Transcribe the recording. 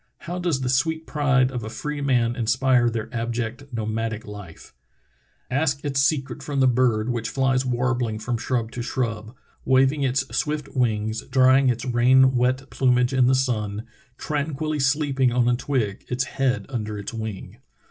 How does the sweet pride of a free man inspire their abject nomadic life.' Ask its 300 True Tales of Arctic Heroism secret from the bird which flies warbling from shrub to shrub, waving its swift wings, drying its rain wet plu mage in the sun, tranquilly sleeping on a twig, its head under its wing."